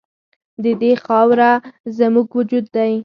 د دې خاوره زموږ وجود دی؟